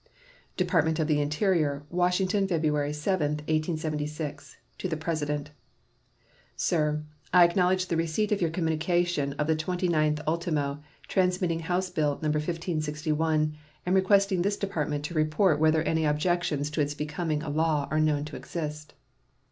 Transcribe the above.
DEPARTMENT OF THE INTERIOR, Washington, February 7, 1876. The PRESIDENT. SIR: I acknowledge the receipt of your communication of the 29th ultimo, transmitting House bill No. 1561 and requesting this Department to report whether any objections to its becoming a law are known to exist.